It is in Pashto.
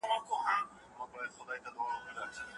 هیڅوک باید دا اصول رد نه کړي.